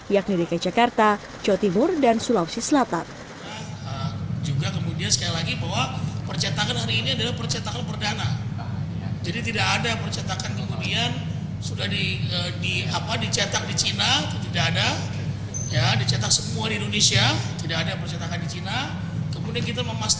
yakni dki jakarta jawa timur dan sulawesi